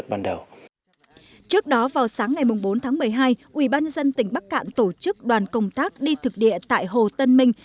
trước đó vào sáng ngày bốn tháng một mươi hai ubnd tỉnh bắc cạn tổ chức đoàn công tác đi thực địa tại hồ tân minh